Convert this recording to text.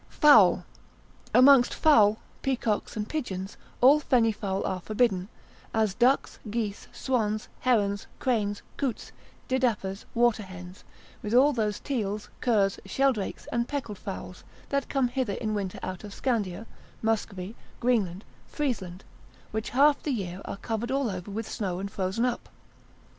Fowl.] Amongst fowl, peacocks and pigeons, all fenny fowl are forbidden, as ducks, geese, swans, herons, cranes, coots, didappers, water hens, with all those teals, curs, sheldrakes, and peckled fowls, that come hither in winter out of Scandia, Muscovy, Greenland, Friesland, which half the year are covered all over with snow, and frozen up.